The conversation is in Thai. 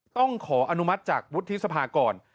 ต้องขออนุมัติจากวุฒิสภาก่อน